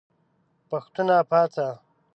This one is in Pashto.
پښتونه پاڅه !